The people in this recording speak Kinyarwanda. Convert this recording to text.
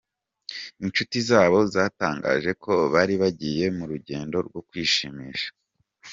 Inshuti zabo zatangaje ko bari bagiye mu rugendo rwo kwishimisha.